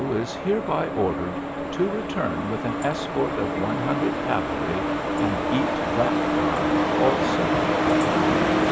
is hereby ordered to return with an escort of one hundred cavalry, and eat that pie also.